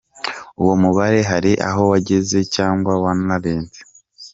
Uwo mubare hari aho wageze cyangwa wanarenze.